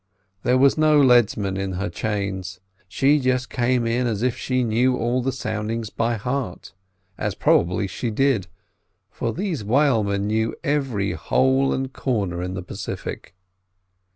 There was no leadsman in her chains. She just came in as if she knew all the soundings by heart—as probably she did—for these whalemen know every hole and corner in the Pacific.